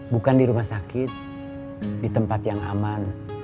bukan di rumah sakit di tempat yang aman